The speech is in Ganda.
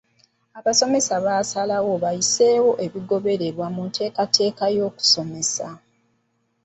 Abasomesa baasalawo wassibwewo ebinaagobererwa mu nteekateeka y'okusomesa.